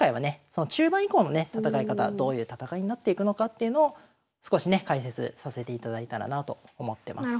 その中盤以降のね戦い方どういう戦いになっていくのかっていうのを少しね解説させていただいたらなと思ってます。